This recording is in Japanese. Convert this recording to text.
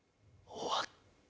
「終わった」？